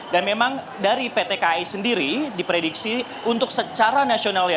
dan memang dari pt kai sendiri diprediksi untuk secara nasional